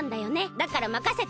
だからまかせて！